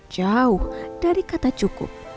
jauh dari kata cukup